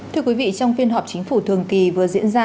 thưa quý vị trong phiên họp chính phủ thường kỳ vừa diễn ra